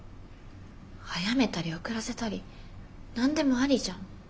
早めたり遅らせたり何でもありじゃん。